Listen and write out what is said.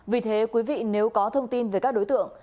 vì thế quý vị nếu có thông tin về các đối tượng